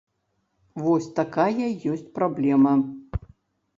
Вось такая ёсць праблема.